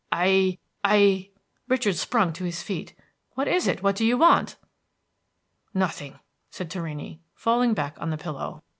"I I" Richard sprung to his feet. "What is it, what do you want?" "Nothing," said Torrini, falling back on the pillow.